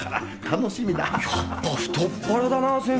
やっぱ太っ腹だな先生。